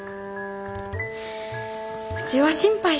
うちは心配さ。